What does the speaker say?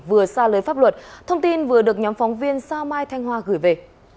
vừa xa lưới pháp luật thông tin vừa được nhóm phóng viên sao mai thanh hoa gửi về